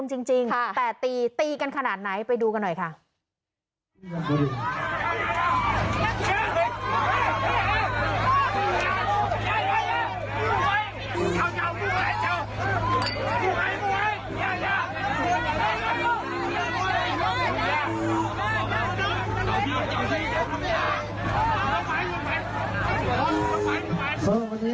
ครูไฮครูไฮ